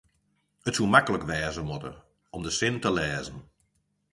it soe maklik wêze moatte om de sin te lêzen